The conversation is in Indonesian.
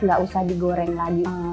nggak usah digoreng lagi